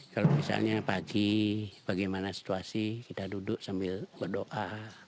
kalau misalnya pagi bagaimana situasi kita duduk sambil berdoa